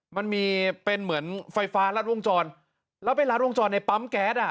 มันมีเป็นเหมือนไฟฟ้ารัดวงจรแล้วไปรัดวงจรในปั๊มแก๊สอ่ะ